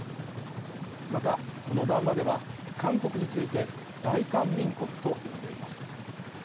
また、この談話では、韓国について大韓民国と呼んでいます。